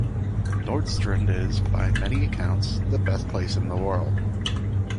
Nordstrand is, by many accounts, the best place in the world.